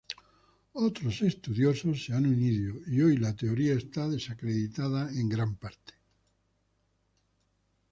Otros estudiosos se han unido y hoy la teoría está desacreditada en gran parte.